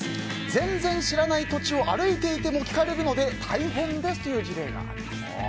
全然知らない土地を歩いていても聞かれるので大変ですという事例があります。